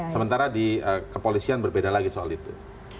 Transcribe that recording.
sementara di kepolisian berbeda lagi soal itu